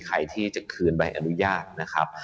ใครที่จะคืนใบอนุญาตนะครับ